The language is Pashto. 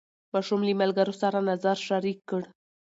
ماشوم له ملګرو سره نظر شریک کړ